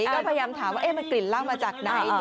ก็พยายามถามว่ามันกลิ่นเหล้ามาจากไหน